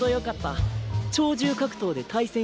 超獣格闘で対戦しない？